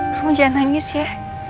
kamu jangan nangis ya